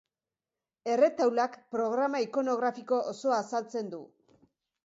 Erretaulak programa ikonografiko osoa azaltzen du.